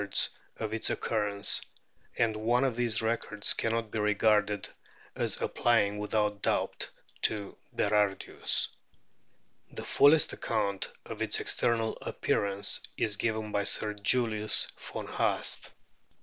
BEAKED WHALES 229 of its occurrence, and one of these records cannot be regarded as applying without doubt to Berardius. The fullest account of its external appearance is given by Sir Julius von Haast.